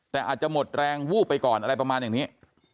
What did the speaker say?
แต่อาจจะหมดแรงวูบไปก่อนอะไรประมาณอย่างนี้